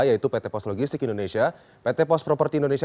yaitu pt pos logistik indonesia pt pos properti indonesia